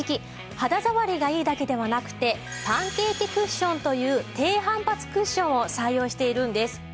肌触りがいいだけではなくてパンケーキクッションという低反発クッションを採用しているんです。